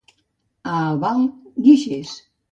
A Albal, guixers.